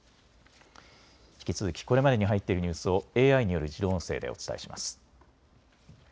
引き続きこれまでに入っているニュースをＡＩによる自動音声でお伝えします。